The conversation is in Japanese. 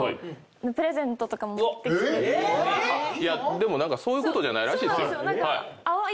でも何かそういうことじゃないらしいですよ。